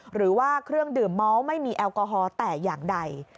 หรือว่าเครื่องดื่มเมาส์ไม่มีแอลกอฮอล์แต่อย่างใด